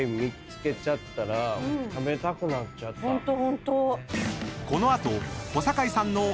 ホントホント。